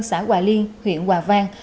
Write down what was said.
xã hòa liên huyện hòa vang